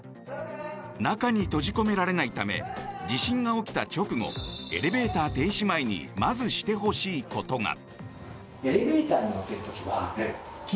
中に閉じ込められないため地震が起きた直後エレベーター停止前にまずしてほしいことが。